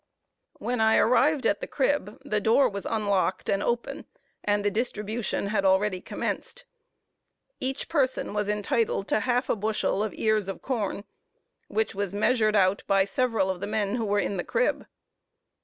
When I arrived at the crib, the door was unlocked and open, and the distribution had already commenced. Each person was entitled to half a bushel of ears of corn, which was measured out by several of the men who were in the crib.